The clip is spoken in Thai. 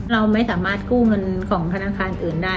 เราไม่สามารถกู้เงินของธนาคารอื่นได้